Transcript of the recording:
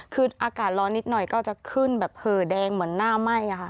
คืออากาศร้อนนิดหน่อยก็จะขึ้นแบบเหอแดงเหมือนหน้าไหม้ค่ะ